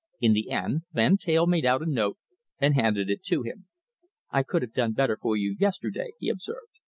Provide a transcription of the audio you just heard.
In the end Van Teyl made out a note and handed it to him. "I could have done better for you yesterday," he observed.